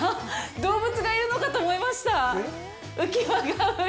動物がいるのかと思いました！